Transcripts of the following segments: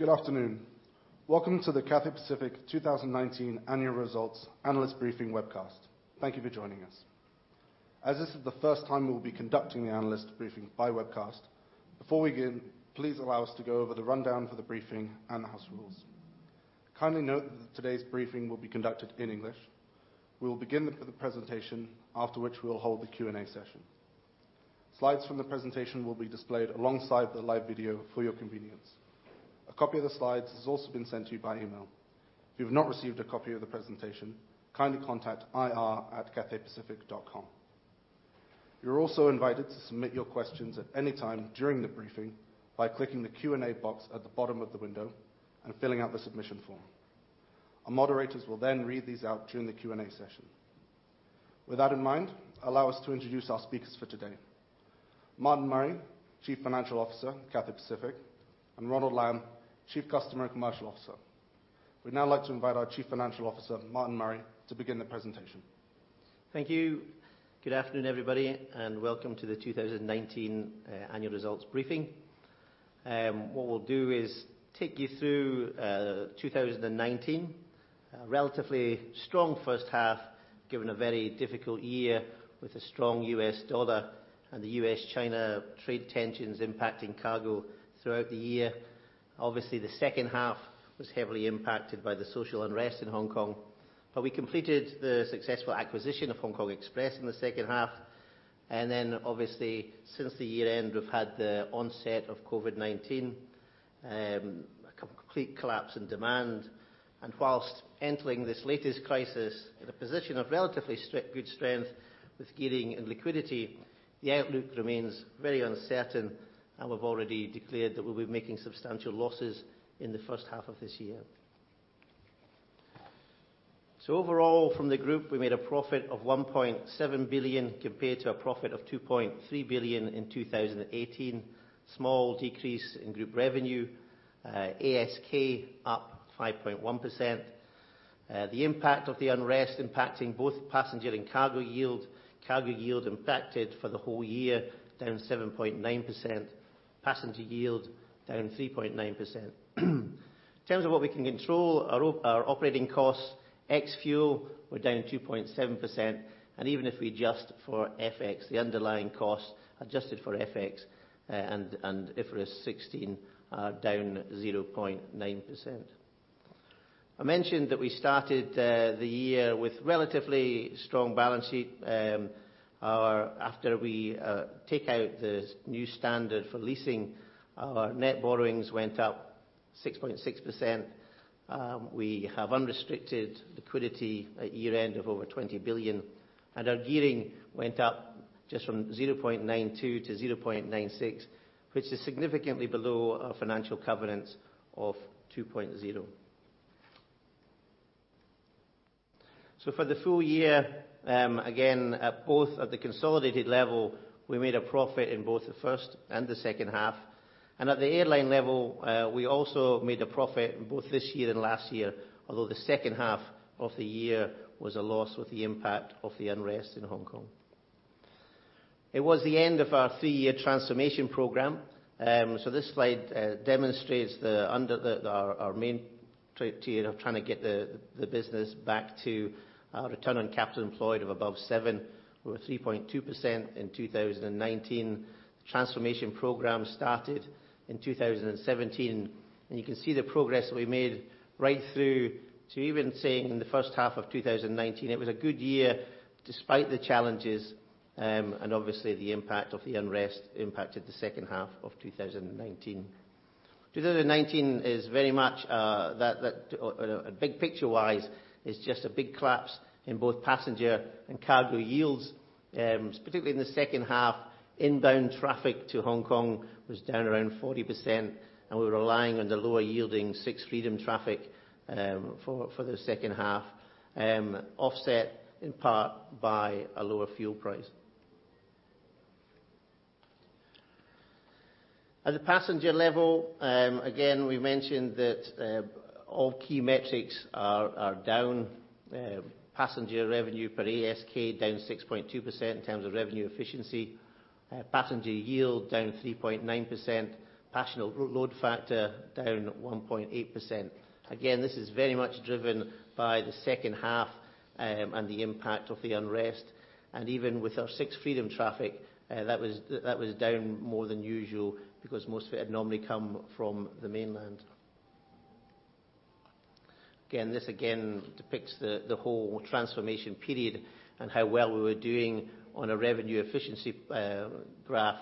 Good afternoon. Welcome to the Cathay Pacific 2019 Annual Results Analyst Briefing webcast. Thank you for joining us. As this is the first time we'll be conducting the analyst briefing by webcast, before we begin, please allow us to go over the rundown for the briefing and the house rules. Kindly note that today's briefing will be conducted in English. We will begin with the presentation, after which we'll hold the Q&A session. Slides from the presentation will be displayed alongside the live video for your convenience. A copy of the slides has also been sent to you by email. If you've not received a copy of the presentation, kindly contact ir@cathaypacific.com. You're also invited to submit your questions at any time during the briefing by clicking the Q&A box at the bottom of the window and filling out the submission form. Our moderators will then read these out during the Q&A session. With that in mind, allow us to introduce our speakers for today. Martin Murray, Chief Financial Officer, Cathay Pacific, and Ronald Lam, Chief Customer and Commercial Officer. We'd now like to invite our Chief Financial Officer, Martin Murray, to begin the presentation. Thank you. Good afternoon, everybody, and welcome to the 2019 Annual Results Briefing. What we'll do is take you through 2019. A relatively strong first half, given a very difficult year with a strong U.S. dollar and the U.S.-China trade tensions impacting cargo throughout the year. We completed the successful acquisition of Hong Kong Express in the second half, and then obviously since the year-end, we've had the onset of COVID-19, a complete collapse in demand. While entering this latest crisis in a position of relatively good strength with gearing and liquidity, the outlook remains very uncertain, and we've already declared that we'll be making substantial losses in the first half of this year. Overall from the Group, we made a profit of 1.7 billion compared to a profit of 2.3 billion in 2018. Small decrease in Group revenue, ASK up 5.1%. The impact of the unrest impacting both passenger and cargo yield. Cargo yield impacted for the whole year, down 7.9%. Passenger yield down 3.9%. In terms of what we can control, our operating costs, ex fuel, were down 2.7%, and even if we adjust for FX, the underlying cost adjusted for FX, and IFRS 16 are down 0.9%. I mentioned that we started the year with relatively strong balance sheet. After we take out the new standard for leasing, our net borrowings went up 6.6%. We have unrestricted liquidity at year-end of over 20 billion, and our gearing went up just from 0.92-0.96, which is significantly below our financial covenants of 2.0. For the full year, again, both at the consolidated level, we made a profit in both the first and the second half. At the airline level, we also made a profit in both this year and last year, although the second half of the year was a loss with the impact of the unrest in Hong Kong. It was the end of our three-year transformation program. This slide demonstrates our main tier of trying to get the business back to our return on capital employed of above seven, with 3.2% in 2019. The transformation program started in 2017, and you can see the progress that we made right through to even saying the first half of 2019. It was a good year despite the challenges, and obviously the impact of the unrest impacted the second half of 2019. 2019 is very much, big picture-wise, is just a big collapse in both passenger and cargo yields. Particularly in the second half, inbound traffic to Hong Kong was down around 40%, and we were relying on the lower yielding sixth-freedom traffic for the second half, offset in part by a lower fuel price. At the passenger level, again, we mentioned that all key metrics are down. Passenger revenue per ASK down 6.2% in terms of revenue efficiency. Passenger yield down 3.9%. Passenger load factor down 1.8%. Again, this is very much driven by the second half and the impact of the unrest, and even with our sixth-freedom traffic, that was down more than usual because most of it had normally come from the mainland. This again depicts the whole transformation period and how well we were doing on a revenue efficiency graph,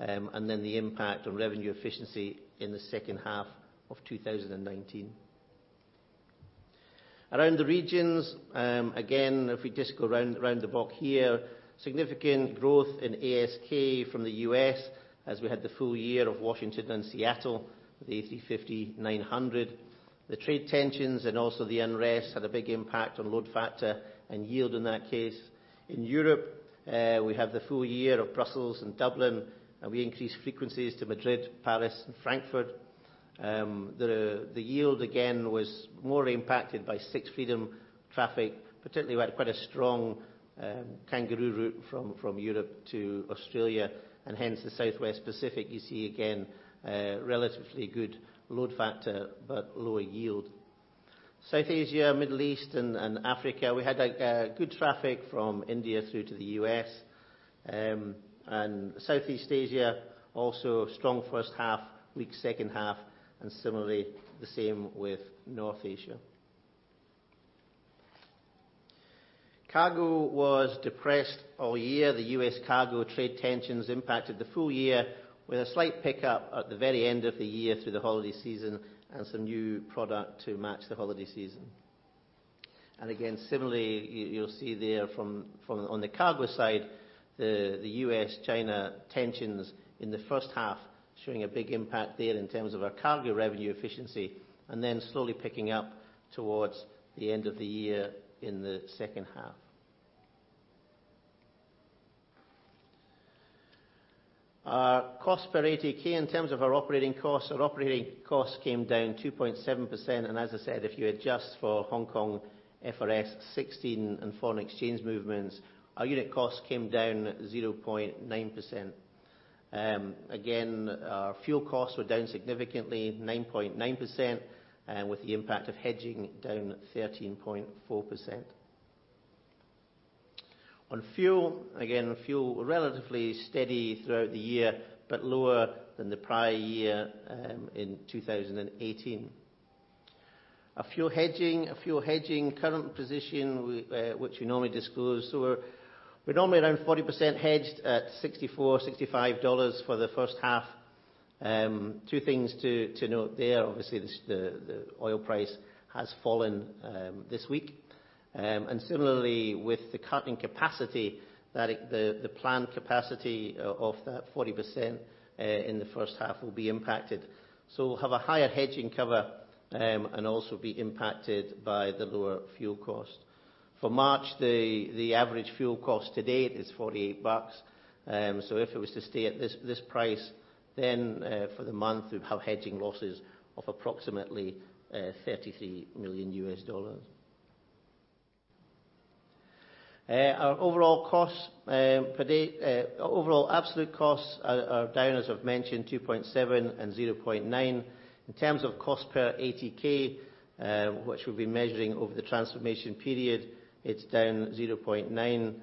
and then the impact on revenue efficiency in the second half of 2019. Around the regions, again, if we just go around the block here, significant growth in ASK from the U.S. as we had the full year of Washington and Seattle with the A350-900. The trade tensions and also the unrest had a big impact on load factor and yield in that case. In Europe, we have the full year of Brussels and Dublin, and we increased frequencies to Madrid, Paris, and Frankfurt. The yield again was more impacted by sixth-freedom traffic. Particularly, we had quite a strong Kangaroo Route from Europe to Australia, and hence the Southwest Pacific, you see again, a relatively good load factor but lower yield. South Asia, Middle East, and Africa, we had good traffic from India through to the U.S. Southeast Asia, also strong first half, weak second half, and similarly, the same with North Asia. Cargo was depressed all year. The U.S. cargo trade tensions impacted the full year, with a slight pickup at the very end of the year through the holiday season, and some new product to match the holiday season. Again, similarly, you'll see there on the cargo side, the U.S.-China tensions in the first half showing a big impact there in terms of our cargo revenue efficiency, and then slowly picking up towards the end of the year in the second half. Our cost per ATK, in terms of our operating costs, our operating costs came down 2.7%. As I said, if you adjust for HKFRS 16 and foreign exchange movements, our unit costs came down 0.9%. Again, our fuel costs were down significantly, 9.9%, with the impact of hedging down 13.4%. On fuel, again, fuel relatively steady throughout the year, but lower than the prior year in 2018. Our fuel hedging current position, which we normally disclose, we're normally around 40% hedged at 64, 65 dollars for the first half. Two things to note there. Obviously, the oil price has fallen this week. Similarly, with the cut in capacity, the planned capacity of that 40% in the first half will be impacted. We'll have a higher hedging cover, and also be impacted by the lower fuel cost. For March, the average fuel cost to date is $48. If it was to stay at this price, then for the month, we'd have hedging losses of approximately $33 million. Our overall absolute costs are down, as I've mentioned, 2.7% and 0.9%. In terms of cost per ATK, which we'll be measuring over the transformation period, it's down 0.9%.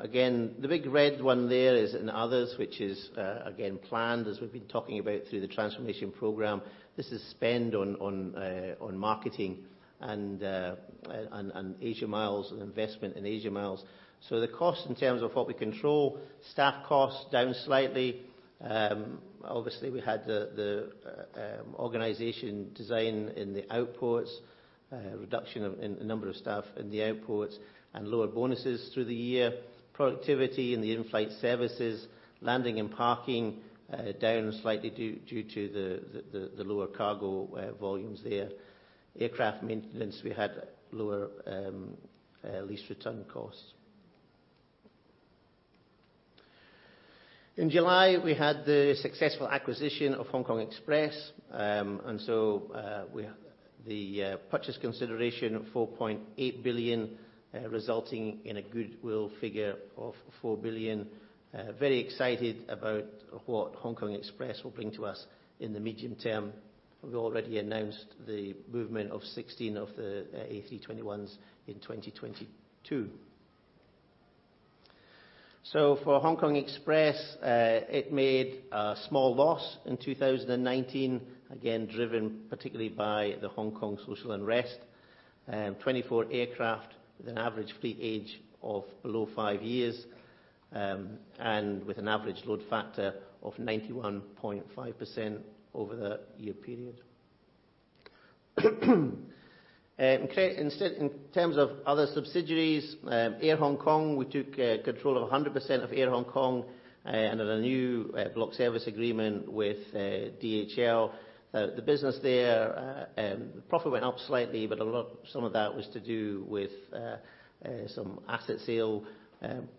Again, the big red one there is in others, which is, again, planned, as we've been talking about through the Transformation Program. This is spend on marketing and Asia Miles and investment in Asia Miles. The cost in terms of what we control, staff costs down slightly. Obviously, we had the organization design in the outports, reduction in the number of staff in the outports, and lower bonuses through the year. Productivity in the inflight services, landing and parking, down slightly due to the lower cargo volumes there. Aircraft maintenance, we had lower lease return costs. In July, we had the successful acquisition of HK Express. The purchase consideration of 4.8 billion, resulting in a goodwill figure of 4 billion. Very excited about what HK Express will bring to us in the medium term. We already announced the movement of 16 of the A321s in 2022. For HK Express, it made a small loss in 2019, again, driven particularly by the Hong Kong social unrest. 24 aircraft with an average fleet age of below five years, and with an average load factor of 91.5% over the year period. In terms of other subsidiaries, Air Hong Kong, we took control of 100% of Air Hong Kong, under the new block space agreement with DHL. The business there, profit went up slightly, but some of that was to do with some asset sale.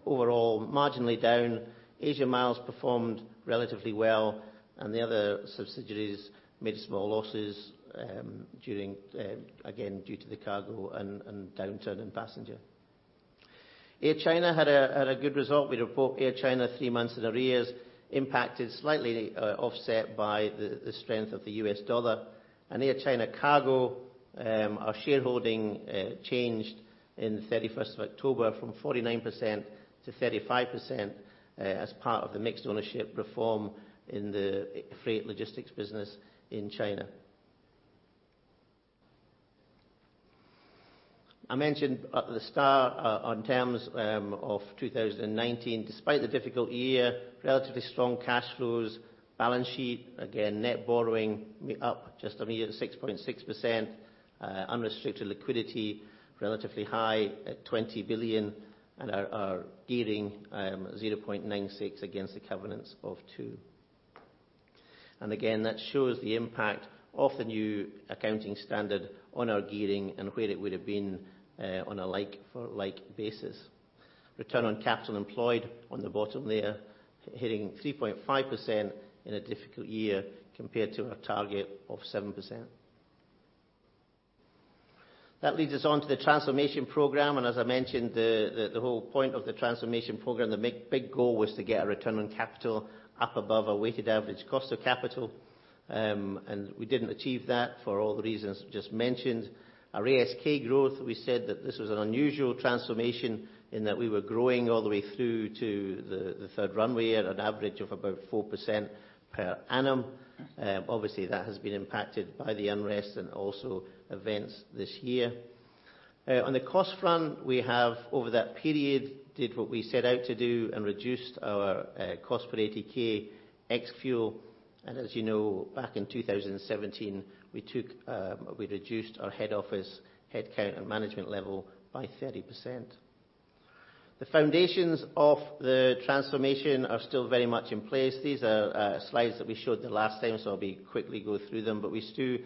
Overall, marginally down. Asia Miles performed relatively well, and the other subsidiaries made small losses, again, due to the cargo and downturn in passenger. Air China had a good result. We report Air China three months in arrears, impacted slightly, offset by the strength of the U.S. dollar. Air China Cargo, our shareholding changed in the 31st of October from 49%-35% as part of the mixed-ownership reform in the freight logistics business in China. I mentioned at the start on terms of 2019, despite the difficult year, relatively strong cash flows, balance sheet, again, net borrowing up just a mere 6.6%. Unrestricted liquidity, relatively high at 20 billion. Our gearing, 0.96 against the covenants of two. Again, that shows the impact of the new accounting standard on our gearing and where it would've been on a like for like basis. Return on capital employed on the bottom there, hitting 3.5% in a difficult year compared to our target of 7%. That leads us on to the transformation program. As I mentioned, the whole point of the transformation program, the big goal was to get our return on capital up above our weighted average cost of capital. We didn't achieve that for all the reasons just mentioned. Our ASK growth, we said that this was an unusual transformation in that we were growing all the way through to the third runway at an average of about 4% per annum. Obviously, that has been impacted by the unrest and also events this year. On the cost front, we have over that period, did what we set out to do and reduced our cost per ATK ex-fuel. As you know, back in 2017, we reduced our head office headcount and management level by 30%. The foundations of the transformation are still very much in place. These are slides that we showed the last time, I'll be quickly go through them. We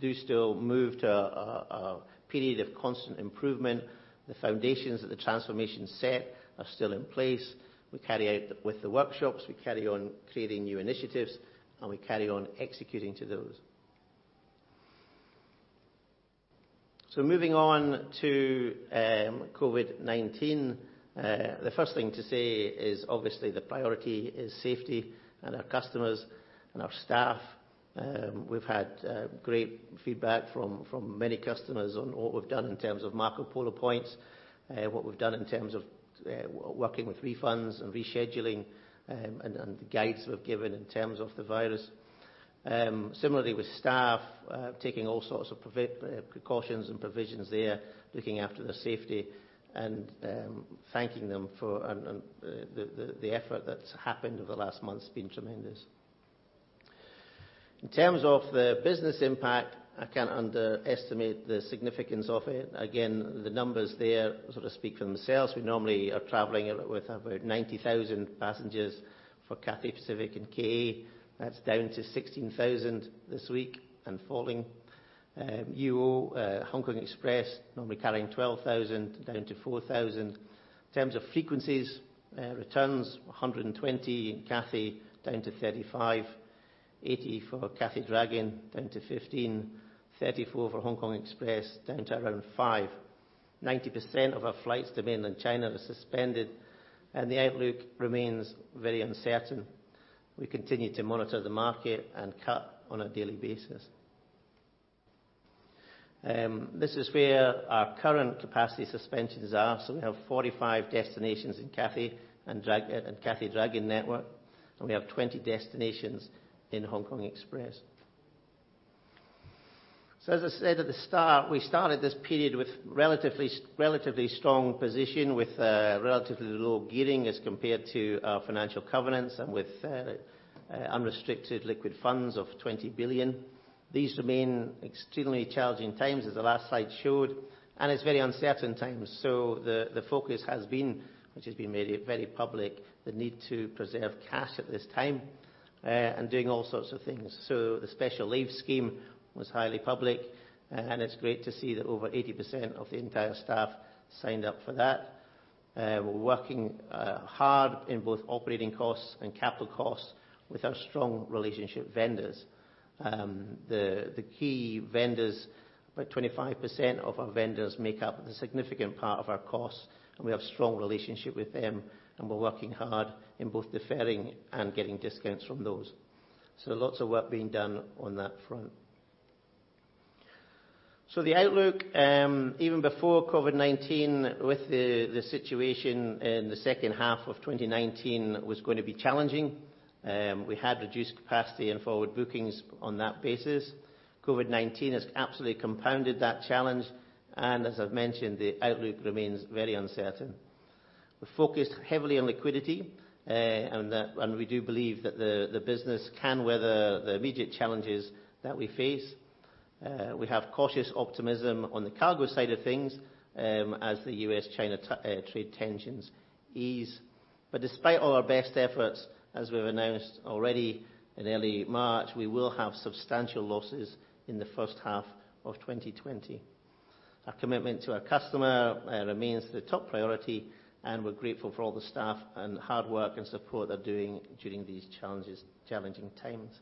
do still move to a period of constant improvement. The foundations that the transformation set are still in place. We carry out with the workshops, we carry on creating new initiatives, and we carry on executing to those. Moving on to COVID-19. The first thing to say is obviously the priority is safety and our customers and our staff. We've had great feedback from many customers on what we've done in terms of Marco Polo Points, what we've done in terms of working with refunds and rescheduling, and the guides we've given in terms of the virus. Similarly with staff, taking all sorts of precautions and provisions there, looking after their safety and thanking them for the effort that's happened over the last month. It's been tremendous. In terms of the business impact, I can't underestimate the significance of it. Again, the numbers there sort of speak for themselves. We normally are traveling with about 90,000 passengers for Cathay Pacific and KA. That's down to 16,000 this week and falling. UO, Hong Kong Express, normally carrying 12,000, down to 4,000. In terms of frequencies, returns, 120 in Cathay down to 35, 80 for Cathay Dragon down to 15, 34 for Hong Kong Express down to around five. 90% of our flights to mainland China are suspended, and the outlook remains very uncertain. We continue to monitor the market and cut on a daily basis. This is where our current capacity suspensions are. We have 45 destinations in Cathay and Cathay Dragon network, and we have 20 destinations in HK Express. As I said at the start, we started this period with relatively strong position, with a relatively low gearing as compared to our financial covenants and with unrestricted liquid funds of 20 billion. These remain extremely challenging times, as the last slide showed, and it's very uncertain times. The focus has been, which has been made very public, the need to preserve cash at this time, and doing all sorts of things. The special leave scheme was highly public, and it's great to see that over 80% of the entire staff signed up for that. We're working hard in both operating costs and capital costs with our strong relationship vendors. The key vendors, about 25% of our vendors make up the significant part of our costs, and we have strong relationship with them, and we're working hard in both deferring and getting discounts from those. Lots of work being done on that front. The outlook, even before COVID-19, with the situation in the second half of 2019 was going to be challenging. We had reduced capacity and forward bookings on that basis. COVID-19 has absolutely compounded that challenge. As I've mentioned, the outlook remains very uncertain. We're focused heavily on liquidity, and we do believe that the business can weather the immediate challenges that we face. We have cautious optimism on the cargo side of things, as the U.S.-China trade tensions ease. Despite all our best efforts, as we've announced already in early March, we will have substantial losses in the first half of 2020. Our commitment to our customer remains the top priority, and we're grateful for all the staff and hard work and support they're doing during these challenging times.